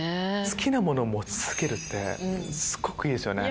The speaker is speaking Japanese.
好きなものを持ち続けるってすごくいいですよね。